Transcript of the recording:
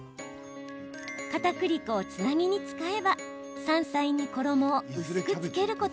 かたくり粉をつなぎに使えば山菜に衣を薄くつけることができます。